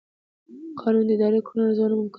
قانون د اداري کړنو ارزونه ممکنوي.